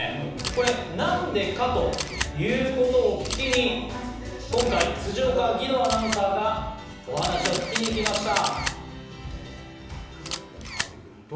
これ何でかということを聞きに、今回、辻岡義堂アナウンサーがお話を聞きに行きました。